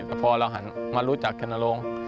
แต่พอเราหันมารู้จักชนโรง